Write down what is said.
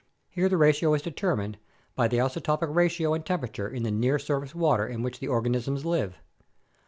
Here the ratio is determined by the isotopic ratio and temperature in the near surface water in which the organisms live.